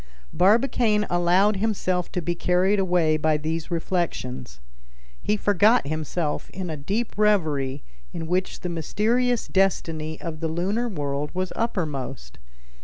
Barbicane allowed himself to be carried away by these reflections. He forgot himself in a deep reverie in which the mysterious destiny of the lunar world was uppermost.